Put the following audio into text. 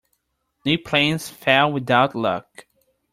Neat plans fail without luck.